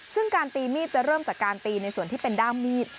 ซึ่งการตีมีดจะเริ่มจากการตีในส่วนที่เป็นด้ามมีด